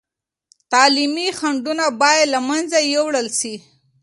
تعلیمي خنډونه باید له منځه یوړل سي.